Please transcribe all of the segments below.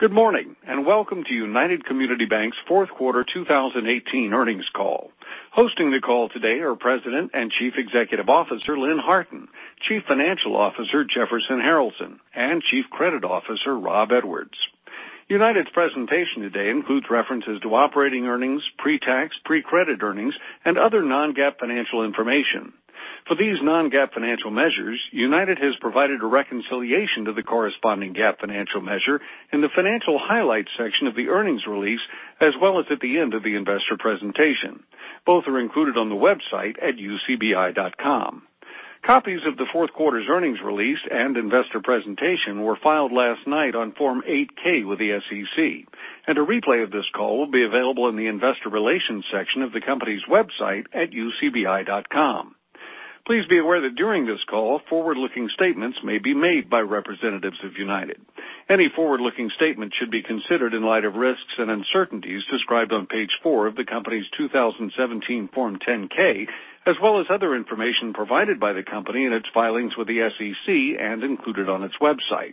Good morning, welcome to United Community Banks' fourth quarter 2018 earnings call. Hosting the call today are President and Chief Executive Officer, Lynn Harton, Chief Financial Officer, Jefferson Harralson, and Chief Credit Officer, Rob Edwards. United's presentation today includes references to operating earnings, pre-tax, pre-credit earnings, and other non-GAAP financial information. For these non-GAAP financial measures, United has provided a reconciliation to the corresponding GAAP financial measure in the Financial Highlights section of the earnings release, as well as at the end of the investor presentation. Both are included on the website at ucbi.com. Copies of the fourth quarter's earnings release and investor presentation were filed last night on Form 8-K with the SEC. A replay of this call will be available in the investor relations section of the company's website at ucbi.com. Please be aware that during this call, forward-looking statements may be made by representatives of United. Any forward-looking statement should be considered in light of risks and uncertainties described on page four of the company's 2017 Form 10-K, as well as other information provided by the company in its filings with the SEC and included on its website.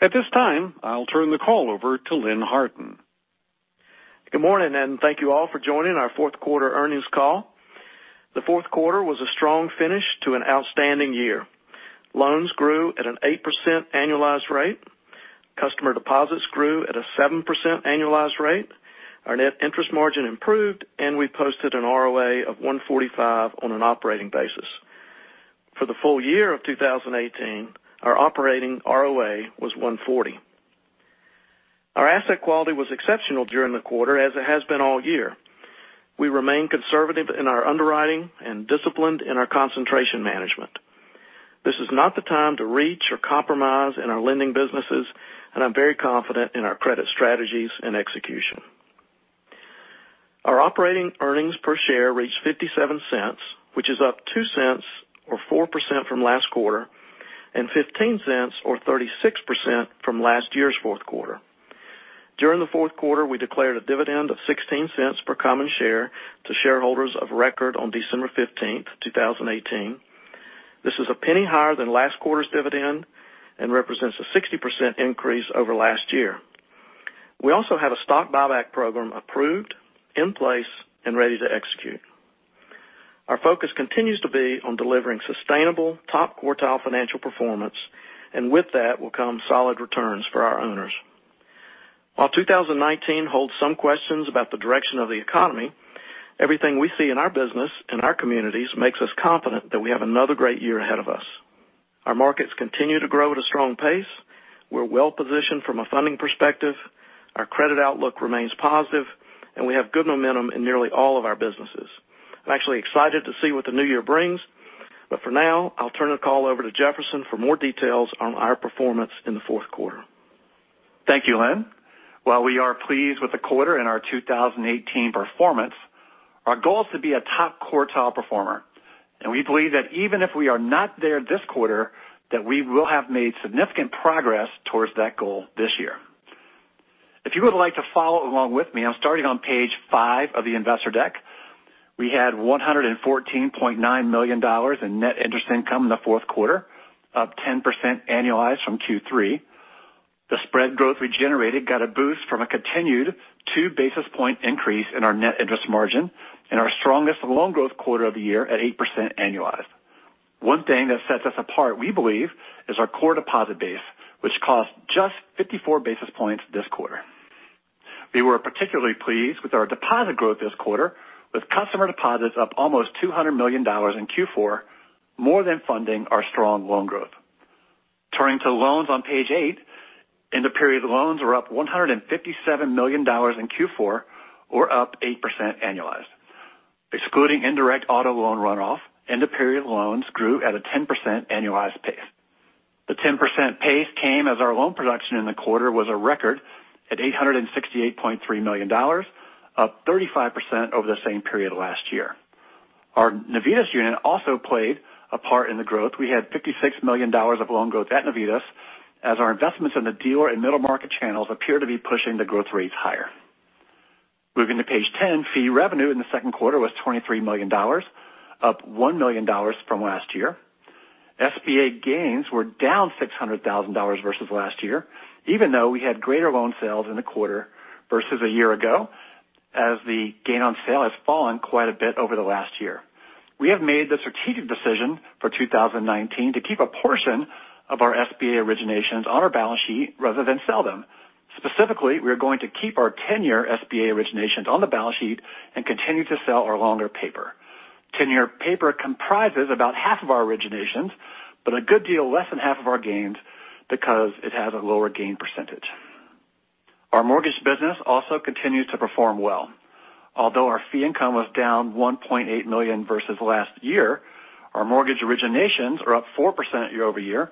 At this time, I'll turn the call over to Lynn Harton. Good morning, thank you all for joining our fourth quarter earnings call. The fourth quarter was a strong finish to an outstanding year. Loans grew at an 8% annualized rate, customer deposits grew at a 7% annualized rate, our net interest margin improved. We posted an ROA of 145 on an operating basis. For the full year of 2018, our operating ROA was 140. Our asset quality was exceptional during the quarter, as it has been all year. We remain conservative in our underwriting and disciplined in our concentration management. This is not the time to reach or compromise in our lending businesses. I'm very confident in our credit strategies and execution. Our operating earnings per share reached $0.57, which is up $0.02 or 4% from last quarter, and $0.15 or 36% from last year's fourth quarter. During the fourth quarter, we declared a dividend of $0.16 per common share to shareholders of record on December 15th, 2018. This is a $0.01 higher than last quarter's dividend and represents a 60% increase over last year. We also had a stock buyback program approved, in place, and ready to execute. Our focus continues to be on delivering sustainable top-quartile financial performance. With that will come solid returns for our owners. While 2019 holds some questions about the direction of the economy, everything we see in our business and our communities makes us confident that we have another great year ahead of us. Our markets continue to grow at a strong pace, we're well-positioned from a funding perspective, our credit outlook remains positive. We have good momentum in nearly all of our businesses. I'm actually excited to see what the new year brings. For now, I'll turn the call over to Jefferson for more details on our performance in the fourth quarter. Thank you, Lynn. While we are pleased with the quarter and our 2018 performance, our goal is to be a top-quartile performer. We believe that even if we are not there this quarter, that we will have made significant progress towards that goal this year. If you would like to follow along with me, I'm starting on page five of the investor deck. We had $114.9 million in net interest income in the fourth quarter, up 10% annualized from Q3. The spread growth we generated got a boost from a continued two-basis point increase in our net interest margin and our strongest loan growth quarter of the year at 8% annualized. One thing that sets us apart, we believe, is our core deposit base, which cost just 54 basis points this quarter. We were particularly pleased with our deposit growth this quarter, with customer deposits up almost $200 million in Q4, more than funding our strong loan growth. Turning to loans on page eight, end-of-period loans were up $157 million in Q4, or up 8% annualized. Excluding indirect auto loan runoff, end-of-period loans grew at a 10% annualized pace. The 10% pace came as our loan production in the quarter was a record at $868.3 million, up 35% over the same period last year. Our Navitas unit also played a part in the growth. We had $56 million of loan growth at Navitas, as our investments in the dealer and middle-market channels appear to be pushing the growth rates higher. Moving to page 10, fee revenue in the second quarter was $23 million, up $1 million from last year. SBA gains were down $600,000 versus last year, even though we had greater loan sales in the quarter versus a year ago, as the gain on sale has fallen quite a bit over the last year. We have made the strategic decision for 2019 to keep a portion of our SBA originations on our balance sheet rather than sell them. Specifically, we are going to keep our 10-year SBA originations on the balance sheet and continue to sell our longer paper. Tenure paper comprises about half of our originations, but a good deal less than half of our gains because it has a lower gain percentage. Our mortgage business also continues to perform well. Although our fee income was down $1.8 million versus last year, our mortgage originations are up 4% year-over-year,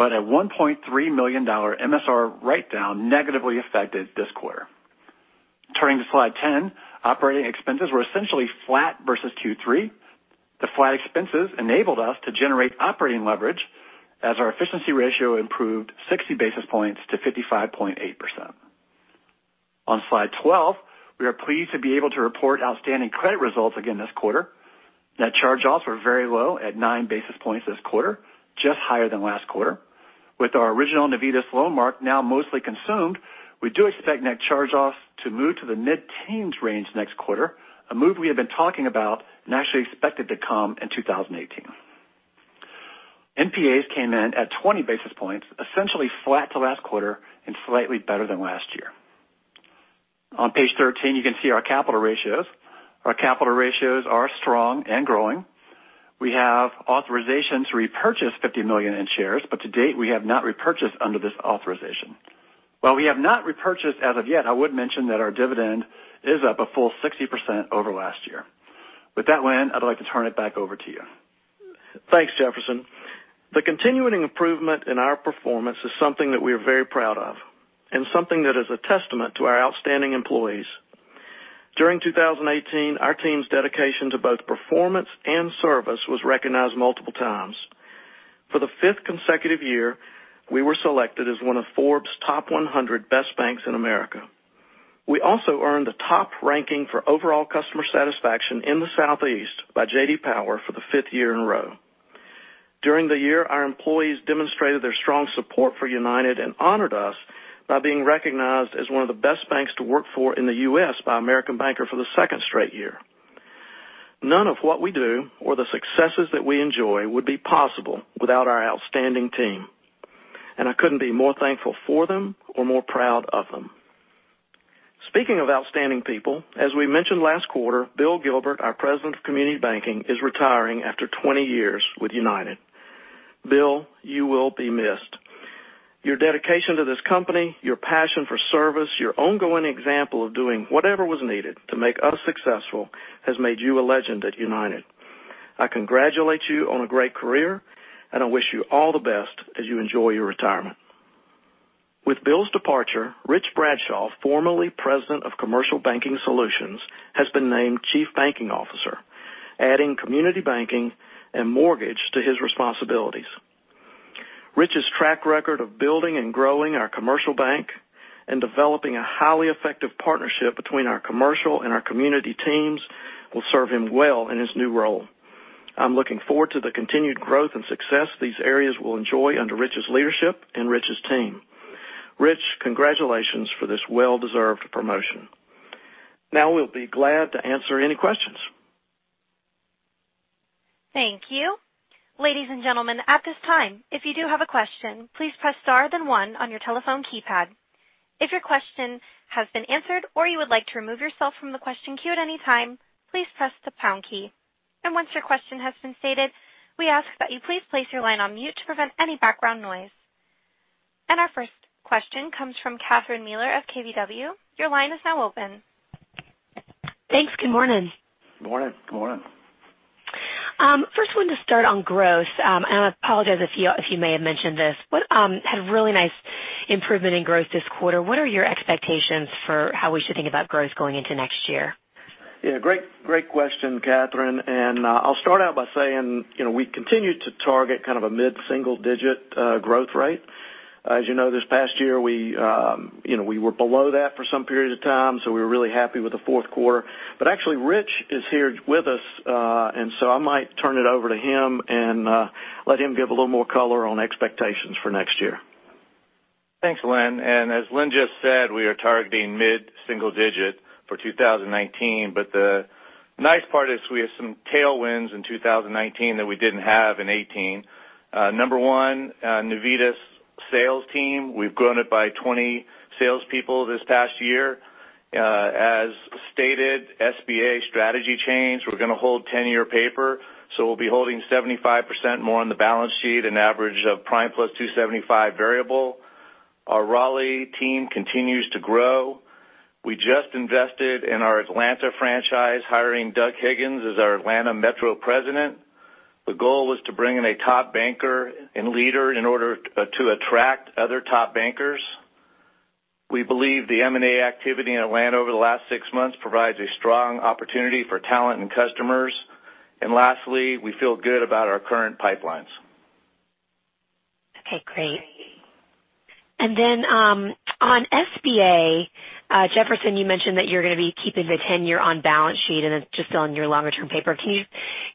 but a $1.3 million MSR write-down negatively affected this quarter. Turning to slide 10, operating expenses were essentially flat versus Q3. The flat expenses enabled us to generate operating leverage, as our efficiency ratio improved 60 basis points to 55.8%. On slide 12, we are pleased to be able to report outstanding credit results again this quarter. Net charge-offs were very low at nine basis points this quarter, just higher than last quarter. With our original Navitas loan mark now mostly consumed, we do expect net charge-offs to move to the mid-teens range next quarter, a move we have been talking about and actually expected to come in 2018. NPAs came in at 20 basis points, essentially flat to last quarter and slightly better than last year. On page 13, you can see our capital ratios. Our capital ratios are strong and growing. We have authorization to repurchase $50 million in shares. To date, we have not repurchased under this authorization. While we have not repurchased as of yet, I would mention that our dividend is up a full 60% over last year. With that, Lynn, I'd like to turn it back over to you. Thanks, Jefferson. The continuing improvement in our performance is something that we are very proud of and something that is a testament to our outstanding employees. During 2018, our team's dedication to both performance and service was recognized multiple times. For the fifth consecutive year, we were selected as one of Forbes top 100 best banks in America. We also earned the top ranking for overall customer satisfaction in the Southeast by J.D. Power for the fifth year in a row. During the year, our employees demonstrated their strong support for United and honored us by being recognized as one of the best banks to work for in the U.S. by American Banker for the second straight year. None of what we do or the successes that we enjoy would be possible without our outstanding team, and I couldn't be more thankful for them or more proud of them. Speaking of outstanding people, as we mentioned last quarter, Bill Gilbert, our President of Community Banking, is retiring after 20 years with United. Bill, you will be missed. Your dedication to this company, your passion for service, your ongoing example of doing whatever was needed to make us successful has made you a legend at United. I congratulate you on a great career, and I wish you all the best as you enjoy your retirement. With Bill's departure, Rich Bradshaw, formerly President of Commercial Banking Solutions, has been named Chief Banking Officer, adding community banking and mortgage to his responsibilities. Rich's track record of building and growing our commercial bank and developing a highly effective partnership between our commercial and our community teams will serve him well in his new role. I'm looking forward to the continued growth and success these areas will enjoy under Rich's leadership and Rich's team. Rich, congratulations for this well-deserved promotion. Now, we'll be glad to answer any questions. Thank you. Ladies and gentlemen, at this time, if you do have a question, please press star then one on your telephone keypad. If your question has been answered or you would like to remove yourself from the question queue at any time, please press the pound key. Once your question has been stated, we ask that you please place your line on mute to prevent any background noise. Our first question comes from Catherine Mealor of KBW. Your line is now open. Thanks. Good morning. Good morning. Good morning. First one to start on growth, I apologize if you may have mentioned this. Had a really nice improvement in growth this quarter. What are your expectations for how we should think about growth going into next year? Yeah, great question, Catherine, I'll start out by saying we continue to target kind of a mid-single-digit growth rate. As you know, this past year, we were below that for some periods of time, we were really happy with the fourth quarter. Actually, Rich is here with us, I might turn it over to him and let him give a little more color on expectations for next year. Thanks, Lynn, as Lynn just said, we are targeting mid-single-digit for 2019. The nice part is we have some tailwinds in 2019 that we didn't have in 2018. Number one, Navitas sales team. We've grown it by 20 salespeople this past year. As stated, SBA strategy change, we're going to hold 10-year paper, so we'll be holding 75% more on the balance sheet, an average of prime plus 275 variable. Our Raleigh team continues to grow. We just invested in our Atlanta franchise, hiring Doug Higgins as our Atlanta Metro President. The goal was to bring in a top banker and leader in order to attract other top bankers. We believe the M&A activity in Atlanta over the last six months provides a strong opportunity for talent and customers. Lastly, we feel good about our current pipelines. On SBA, Jefferson, you mentioned that you're going to be keeping the 10-year on balance sheet, and it's just on your longer-term paper. Can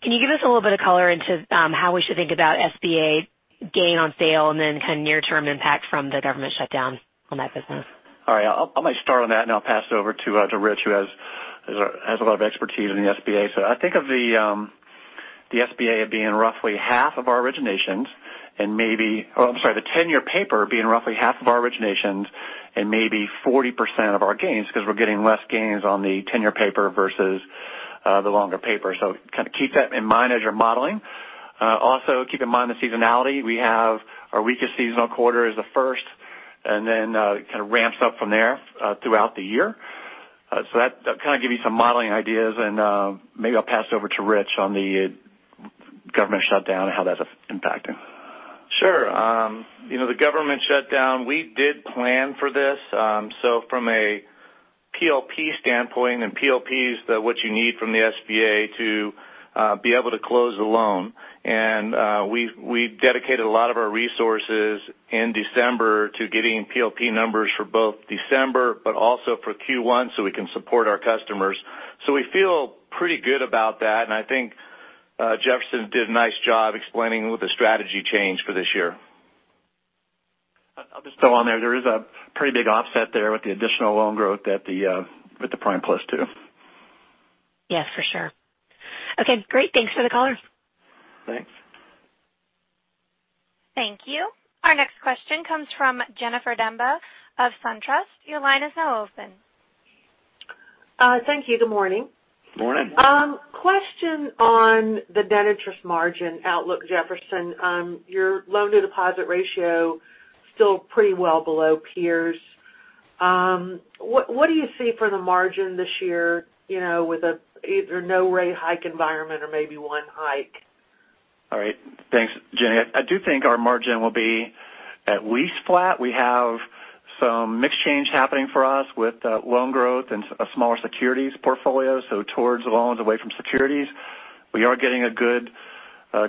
you give us a little bit of color into how we should think about SBA gain on sale and then kind of near-term impact from the government shutdown on that business? All right. I might start on that and I'll pass it over to Rich, who has a lot of expertise in the SBA. I think of the SBA as being roughly half of our originations, the 10-year paper being roughly half of our originations and maybe 40% of our gains because we're getting less gains on the 10-year paper versus the longer paper. Kind of keep that in mind as you're modeling. Also, keep in mind the seasonality. We have our weakest seasonal quarter is the first, and then it kind of ramps up from there throughout the year. That kind of give you some modeling ideas, and maybe I'll pass it over to Rich on the government shutdown and how that's impacting. Sure. The government shutdown, we did plan for this. From a PLP standpoint, PLP is what you need from the SBA to be able to close the loan. We dedicated a lot of our resources in December to getting PLP numbers for both December but also for Q1 so we can support our customers. We feel pretty good about that, and I think Jefferson did a nice job explaining the strategy change for this year. I'll just throw on there is a pretty big offset there with the additional loan growth with the Prime Plus, too. Yes, for sure. Okay, great. Thanks for the color. Thanks. Thank you. Our next question comes from Jennifer Demba of SunTrust. Your line is now open. Thank you. Good morning. Morning. Question on the net interest margin outlook, Jefferson. Your loan-to-deposit ratio still pretty well below peers. What do you see for the margin this year, with either no rate hike environment or maybe one hike? Thanks, Jenny. I do think our margin will be at least flat. We have some mix change happening for us with loan growth and a smaller securities portfolio, so towards loans, away from securities. We are getting a good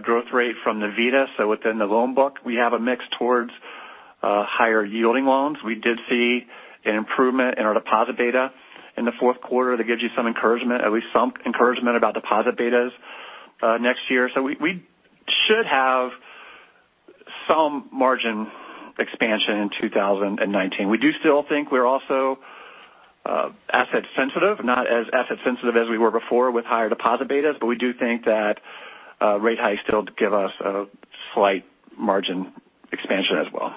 growth rate from Navitas. Within the loan book, we have a mix towards higher-yielding loans. We did see an improvement in our deposit beta in the fourth quarter that gives you some encouragement, at least some encouragement about deposit betas next year. We should have some margin expansion in 2019. We do still think we're also asset sensitive, not as asset sensitive as we were before with higher deposit betas. We do think that rate hikes still give us a slight margin expansion as well.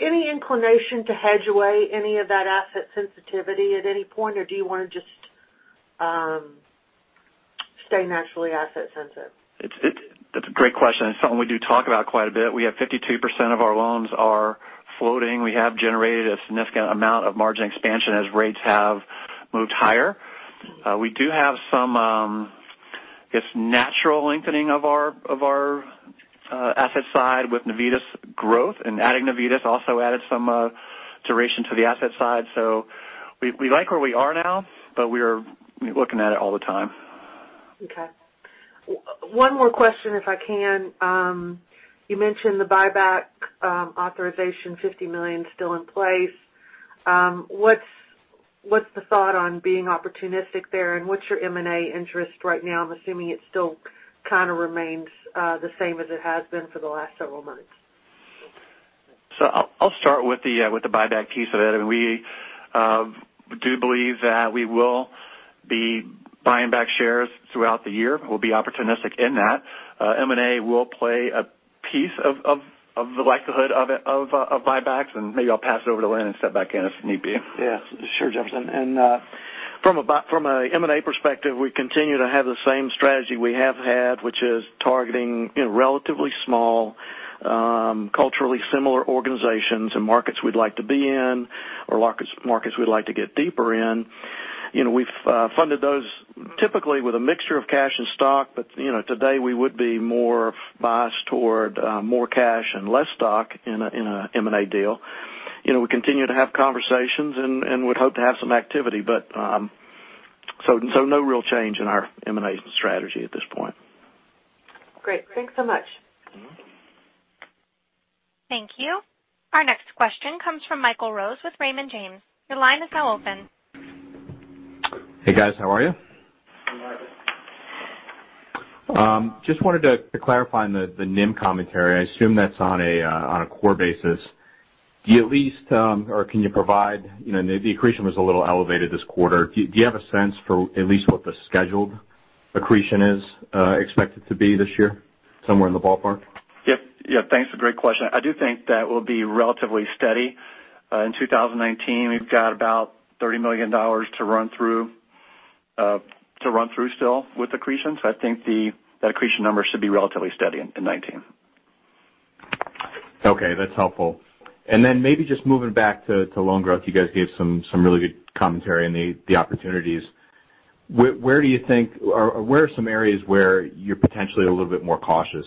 Any inclination to hedge away any of that asset sensitivity at any point? Do you want to just stay naturally asset sensitive? That's a great question, and something we do talk about quite a bit. We have 52% of our loans are floating. We have generated a significant amount of net interest margin expansion as rates have moved higher. We do have some, I guess, natural lengthening of our asset side with Navitas growth. Adding Navitas also added some duration to the asset side. We like where we are now, but we are looking at it all the time. Okay. One more question, if I can. You mentioned the buyback authorization, $50 million still in place. What's the thought on being opportunistic there, and what's your M&A interest right now? I'm assuming it still kind of remains the same as it has been for the last several months. I'll start with the buyback piece of it. I mean, we do believe that we will be buying back shares throughout the year. We'll be opportunistic in that. M&A will play a piece of the likelihood of buybacks, and maybe I'll pass it over to Lynn and step back in as need be. Yeah. Sure, Jefferson. From a M&A perspective, we continue to have the same strategy we have had, which is targeting relatively small, culturally similar organizations and markets we'd like to be in or markets we'd like to get deeper in. We've funded those typically with a mixture of cash and stock, today we would be more biased toward more cash and less stock in a M&A deal. We continue to have conversations and would hope to have some activity, no real change in our M&A strategy at this point. Great. Thanks so much. Thank you. Our next question comes from Michael Rose with Raymond James. Your line is now open. Hey, guys. How are you? Hey, Michael. Just wanted to clarify on the NIM commentary. I assume that's on a core basis. Can you provide, maybe accretion was a little elevated this quarter. Do you have a sense for at least what the scheduled accretion is expected to be this year, somewhere in the ballpark? Yep. Thanks, a great question. I do think that we'll be relatively steady. In 2019, we've got about $30 million to run through still with accretions. I think the accretion number should be relatively steady in 2019. Okay, that's helpful. Maybe just moving back to loan growth, you guys gave some really good commentary on the opportunities. Where are some areas where you're potentially a little bit more cautious,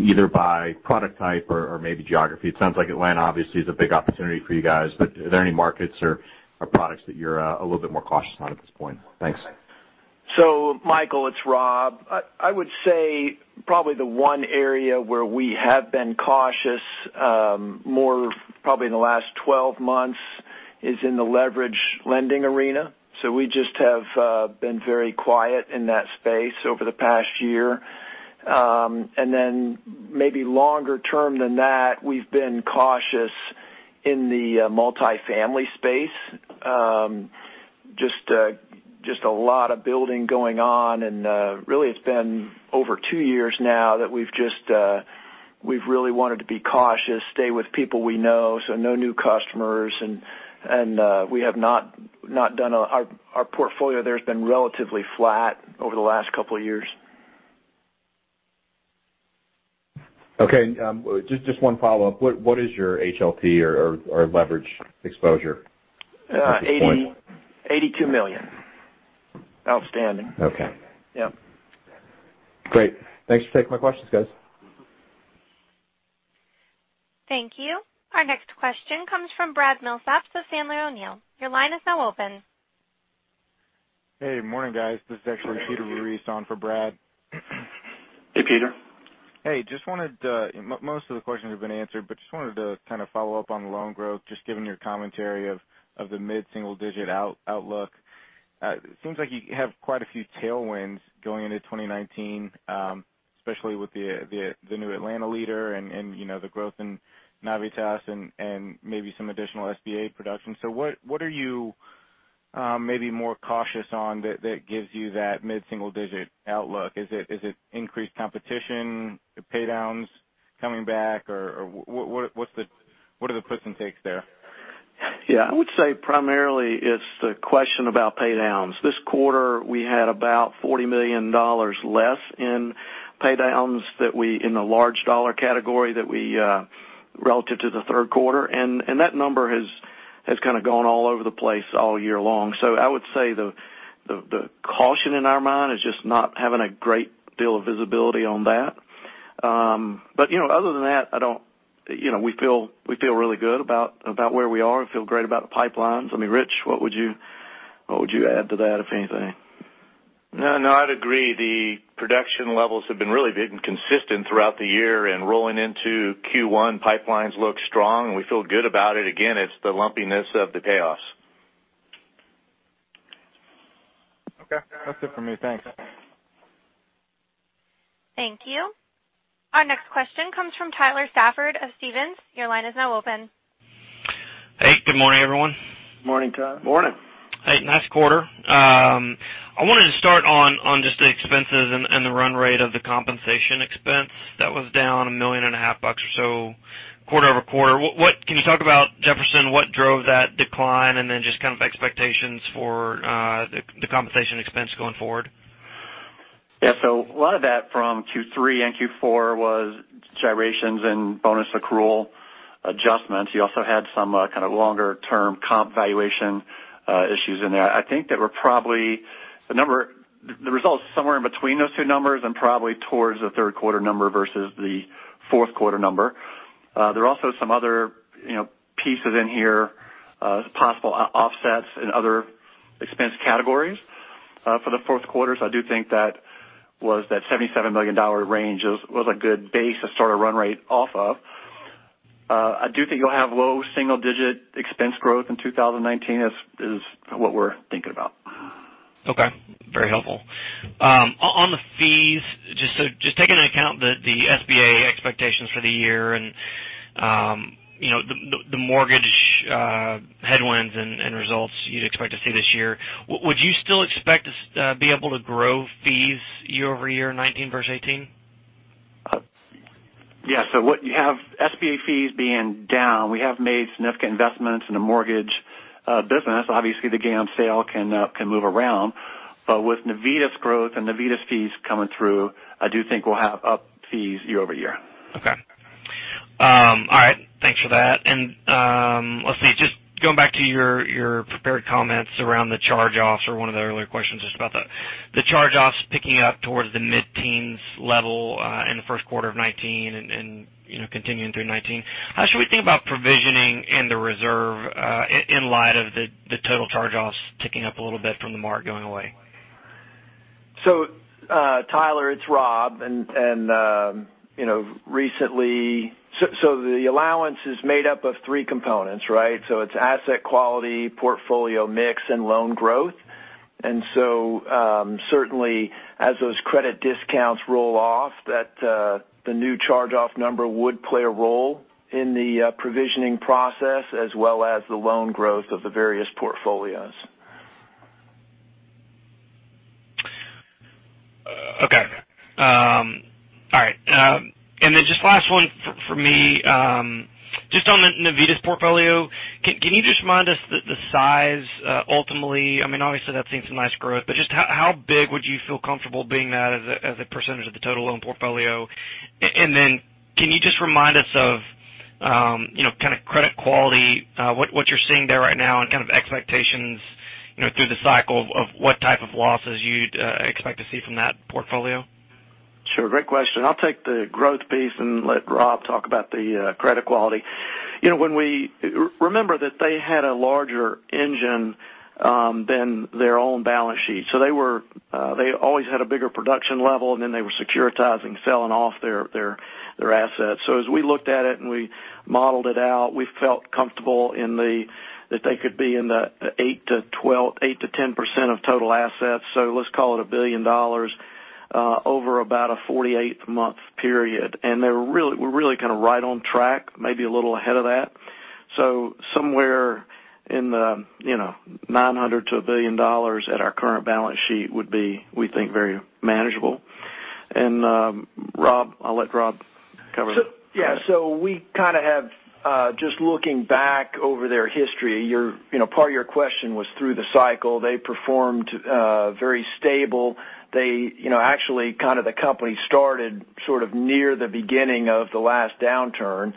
either by product type or maybe geography? It sounds like Atlanta obviously is a big opportunity for you guys, but are there any markets or products that you're a little bit more cautious on at this point? Thanks. Michael, it's Rob. I would say probably the one area where we have been cautious, more probably in the last 12 months, is in the leverage lending arena. We just have been very quiet in that space over the past year. Maybe longer term than that, we've been cautious in the multifamily space. Just a lot of building going on and really it's been over two years now that we've really wanted to be cautious, stay with people we know, no new customers, and Our portfolio there has been relatively flat over the last couple of years. Okay. Just one follow-up. What is your HLTV or leverage exposure at this point? $82 million outstanding. Okay. Yep. Great. Thanks for taking my questions, guys. Thank you. Our next question comes from Brad Milsaps of Sandler O'Neill. Your line is now open. Hey, morning guys. This is actually Peter Ruiz on for Brad. Hey, Peter. Hey. Most of the questions have been answered. Just wanted to kind of follow up on loan growth, just given your commentary of the mid-single digit outlook. It seems like you have quite a few tailwinds going into 2019, especially with the new Atlanta leader and the growth in Navitas and maybe some additional SBA production. What are you maybe more cautious on that gives you that mid-single digit outlook? Is it increased competition, pay downs coming back, or what are the puts and takes there? Yeah, I would say primarily it's the question about pay downs. This quarter, we had about $40 million less in pay downs in the large dollar category relative to the third quarter. That number has kind of gone all over the place all year long. I would say the caution in our mind is just not having a great deal of visibility on that. Other than that, we feel really good about where we are. We feel great about the pipelines. Rich, what would you add to that, if anything? No, I'd agree. The production levels have been really been consistent throughout the year and rolling into Q1, pipelines look strong, and we feel good about it. Again, it's the lumpiness of the payoffs. Okay. That's it for me. Thanks. Thank you. Our next question comes from Tyler Stafford of Stephens. Your line is now open. Hey, good morning, everyone. Morning, Tyler. Morning. Hey, nice quarter. I wanted to start on just the expenses and the run rate of the compensation expense. That was down a million and a half dollars or so quarter-over-quarter. Can you talk about, Jefferson, what drove that decline and then just kind of expectations for the compensation expense going forward? A lot of that from Q3 and Q4 was gyrations and bonus accrual adjustments. You also had some kind of longer term comp valuation issues in there. I think the result's somewhere in between those two numbers and probably towards the third quarter number versus the fourth quarter number. There are also some other pieces in here, possible offsets in other expense categories for the fourth quarter. I do think that $77 million range was a good base to start a run rate off of. I do think you'll have low single digit expense growth in 2019 is what we're thinking about. Very helpful. On the fees, just taking into account the SBA expectations for the year and the mortgage headwinds and results you'd expect to see this year, would you still expect to be able to grow fees year-over-year, 2019 versus 2018? You have SBA fees being down. We have made significant investments in the mortgage business. Obviously, the gain on sale can move around. With Navitas growth and Navitas fees coming through, I do think we'll have up fees year-over-year. All right. Thanks for that. Let's see, just going back to your prepared comments around the charge-offs or one of the earlier questions just about the charge-offs picking up towards the mid-teens level in the first quarter of 2019 and continuing through 2019. How should we think about provisioning and the reserve in light of the total charge-offs ticking up a little bit from the mark going away? Tyler, it's Rob. The allowance is made up of three components, right? It's asset quality, portfolio mix, and loan growth. Certainly as those credit discounts roll off, the new charge-off number would play a role in the provisioning process as well as the loan growth of the various portfolios. Okay. All right. Just last one for me, just on the Navitas portfolio, can you just remind us the size ultimately, obviously that's seen some nice growth, but just how big would you feel comfortable being that as a percentage of the total loan portfolio? Can you just remind us of kind of credit quality, what you're seeing there right now and kind of expectations through the cycle of what type of losses you'd expect to see from that portfolio? Sure. Great question. I'll take the growth piece and let Rob talk about the credit quality. Remember that they had a larger engine than their own balance sheet. They always had a bigger production level, and then they were securitizing, selling off their assets. As we looked at it and we modeled it out, we felt comfortable that they could be in the 8%-10% of total assets. Let's call it $1 billion over about a 48-month period. We're really kind of right on track, maybe a little ahead of that. Somewhere in the $900-$1 billion at our current balance sheet would be, we think, very manageable. Rob, I'll let Rob cover that. Yeah. Just looking back over their history, part of your question was through the cycle. They performed very stable. Actually, kind of the company started sort of near the beginning of the last downturn.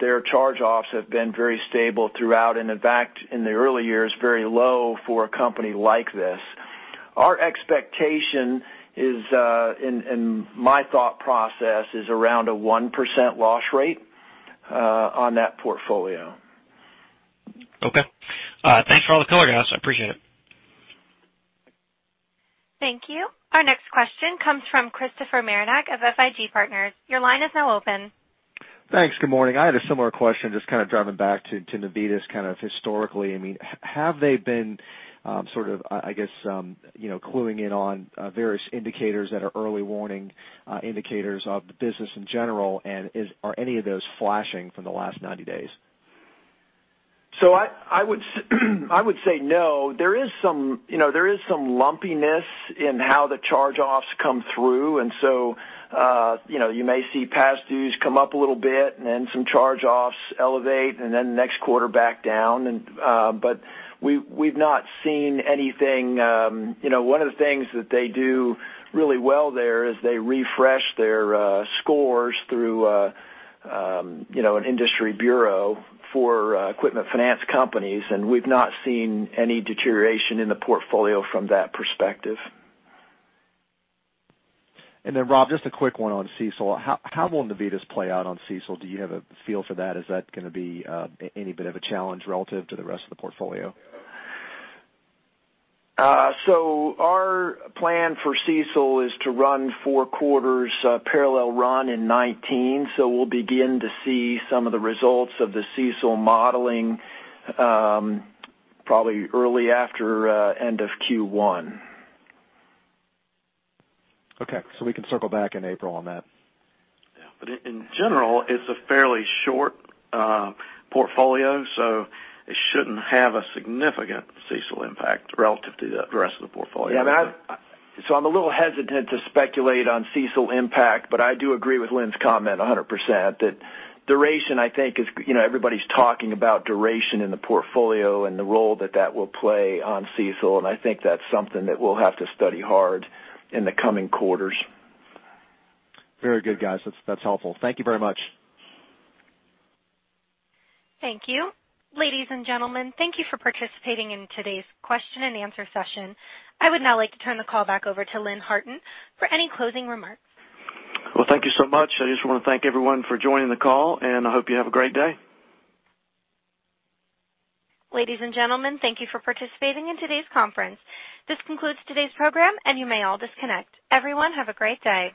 Their charge-offs have been very stable throughout, and in fact, in the early years, very low for a company like this. Our expectation and my thought process is around a 1% loss rate on that portfolio. Okay. Thanks for all the color, guys. I appreciate it. Thank you. Our next question comes from Christopher Marinac of FIG Partners. Your line is now open. Thanks. Good morning. I had a similar question, just kind of driving back to Navitas kind of historically. Have they been sort of, I guess, cluing in on various indicators that are early warning indicators of the business in general, and are any of those flashing from the last 90 days? I would say no. There is some lumpiness in how the charge-offs come through, and so you may see past dues come up a little bit and then some charge-offs elevate, and then the next quarter back down. We've not seen anything. One of the things that they do really well there is they refresh their scores through an industry bureau for equipment finance companies, and we've not seen any deterioration in the portfolio from that perspective. Rob, just a quick one on CECL. How will Navitas play out on CECL? Do you have a feel for that? Is that going to be any bit of a challenge relative to the rest of the portfolio? Our plan for CECL is to run four quarters parallel run in 2019. We'll begin to see some of the results of the CECL modeling probably early after end of Q1. Okay, we can circle back in April on that. Yeah. In general, it's a fairly short portfolio, so it shouldn't have a significant CECL impact relative to the rest of the portfolio. Yeah. I'm a little hesitant to speculate on CECL impact, but I do agree with Lynn's comment 100%, that duration, I think everybody's talking about duration in the portfolio and the role that that will play on CECL, and I think that's something that we'll have to study hard in the coming quarters. Very good, guys. That's helpful. Thank you very much. Thank you. Ladies and gentlemen, thank you for participating in today's question and answer session. I would now like to turn the call back over to Lynn Harton for any closing remarks. Well, thank you so much. I just want to thank everyone for joining the call, I hope you have a great day. Ladies and gentlemen, thank you for participating in today's conference. This concludes today's program, and you may all disconnect. Everyone, have a great day.